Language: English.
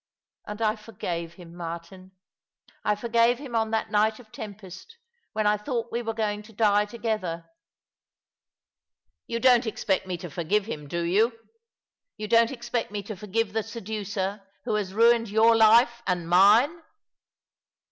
And I forgave him, Martin. I forgave him on that night of tempest, when I thought we were going to die together." " You don't espect me to forgive him, do you ? You don't expect me to forgive the seducer who has ruined your life and mine?